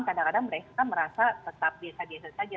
kadang kadang mereka merasa tetap biasa biasa saja